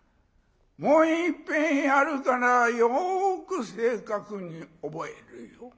もういっぺんやるからよく正確に覚えるよう。